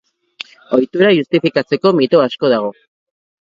Ohitura justifikatzeko mito asko dago.